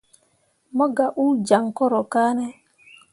Mo gah uu jaŋ koro kane.